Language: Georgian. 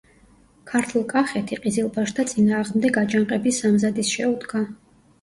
ქართლ-კახეთი ყიზილბაშთა წინააღმდეგ აჯანყების სამზადისს შეუდგა.